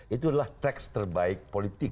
itulah teks terbaik politik dalam sejarah indonesia